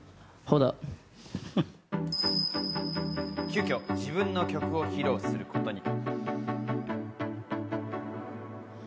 急きょ自分の曲を披露することに。